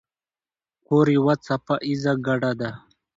کور یوه څپه ایزه ګړه ده.